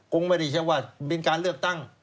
กรุงไว้ดิใช่ไหมว่าเป็นการเลือกตั้ง